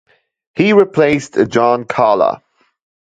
He replaced Jaan Kalla.